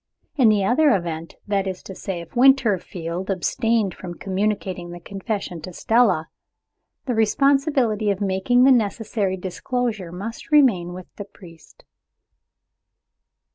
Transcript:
In the other event that is to say, if Winterfield abstained from communicating the confession to Stella the responsibility of making the necessary disclosure must remain with the priest.